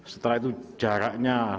setelah itu jaraknya